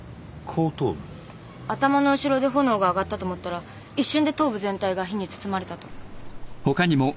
頭の後ろで炎が上がったと思ったら一瞬で頭部全体が火に包まれたと。